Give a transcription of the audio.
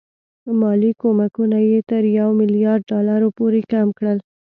مالي کومکونه یې تر یو میلیارډ ډالرو پورې کم کړل.